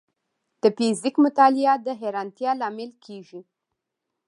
د فزیک مطالعه د حیرانتیا لامل کېږي.